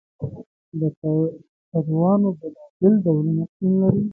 د کدوانو بیلابیل ډولونه شتون لري.